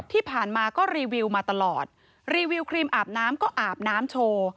ที่ผ่านมาก็รีวิวมาตลอดรีวิวครีมอาบน้ำก็อาบน้ำโชว์